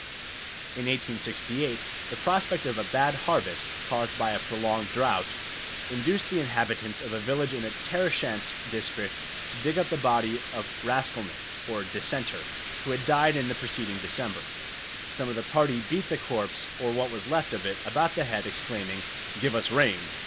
In 1868 the prospect of a bad harvest, caused by a prolonged drought, induced the inhabitants of a village in the Tarashchansk district to dig up the body of a Raskolnik, or Dissenter, who had died in the preceding December. Some of the party beat the corpse, or what was left of it, about the head, exclaiming, "Give us rain!"